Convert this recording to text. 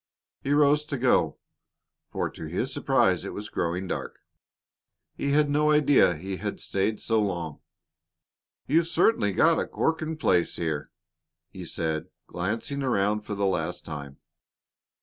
He rose to go, for to his surprise it was growing dark; he had no idea he had stayed so long. "You've certainly got a corking place here," he said, glancing around for the last time.